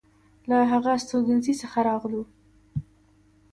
له هغه استوګنځي څخه راغلو.